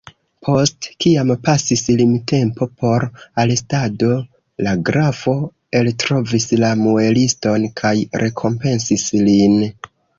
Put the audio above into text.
Post kiam pasis limtempo por arestado, la grafo eltrovis la mueliston kaj rekompensis lin.